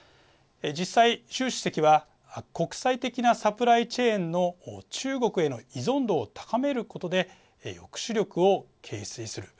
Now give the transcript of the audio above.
実際、習主席は国際的なサプライチェーンの中国への依存度を高めることで抑止力を形成する